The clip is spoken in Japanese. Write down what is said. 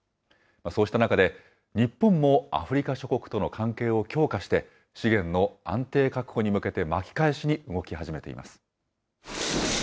そうした中で、日本もアフリカ諸国との関係を強化して、資源の安定確保に向けて巻き返しに動き始めています。